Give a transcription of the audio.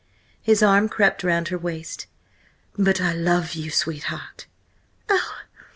His arm crept round her waist. "But I love you, sweetheart!" "Oh!